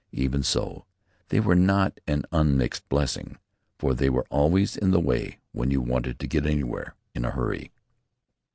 Even so they were not an unmixed blessing, for they were always in the way when you wanted to get anywhere in a hurry.